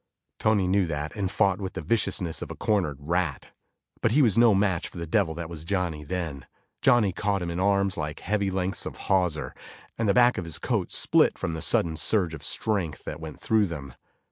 Tony knew that and fought with the viciousness of a cornered rat. But he was no match for the devil that was Johnny then. Johnny caught him in arms like heavy lengths of hawser, and the back of his coat split from the sudden surge of strength that went through them.